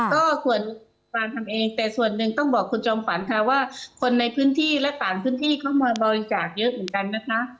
ก็ส่วนการทำเองแต่ส่วนหนึ่งต้องบอกคุณจอมฝันค่ะว่าคนในพื้นที่และต่างพื้นที่เข้ามาบริจาคเยอะเหมือนกันนะคะ